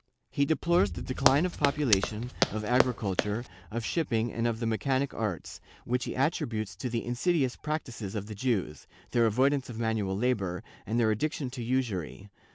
He deplores the decline of population, of agriculture, of shipping and of the mechanic arts, which he attributes to the insidious practices of the Jews, their avoidance of manual labor and their addiction to usury.